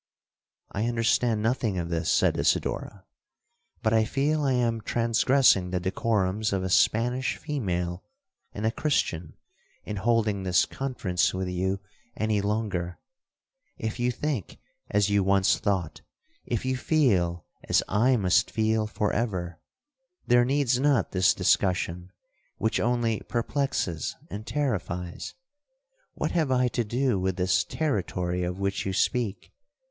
'—'I understand nothing of this,' said Isidora; 'but I feel I am transgressing the decorums of a Spanish female and a Christian, in holding this conference with you any longer. If you think as you once thought,—if you feel as I must feel for ever,—there needs not this discussion, which only perplexes and terrifies. What have I to do with this territory of which you speak?